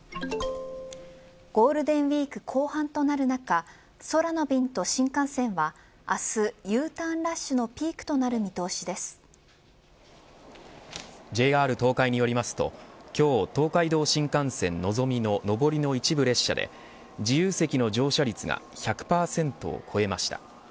ゴールデンウイーク後半となる中空の便と新幹線は明日ＵターンラッシュのピークとＪＲ東海によりますと今日、東海道新幹線のぞみの上りの一部列車で自由席の乗車率が１００％を超えました。